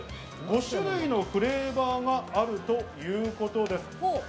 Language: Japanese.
５種類のフレーバーがあるということです。